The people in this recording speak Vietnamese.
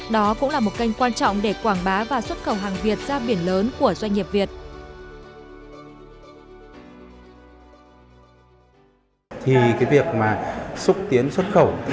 đó cũng là một kênh quan trọng để quảng bá và xuất khẩu hàng việt ra biển lớn của doanh nghiệp việt